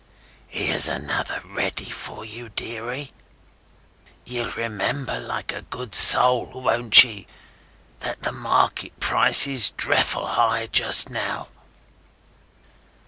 Here's another ready for ye, deary. Ye'll remember like a good soul, won't ye, that the market price is dreffle high just now?